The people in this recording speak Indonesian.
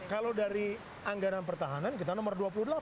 kalau dari anggaran pertahanan kita nomor dua puluh delapan